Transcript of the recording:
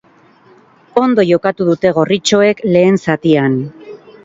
Ondo jokatu dute gorritxoek lehen zatian.